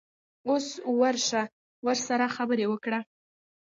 اوس ورشه ورسره خبرې وکړه.